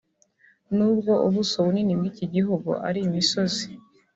nubwo ubuso bunini bw’iki gihugu ari imisozi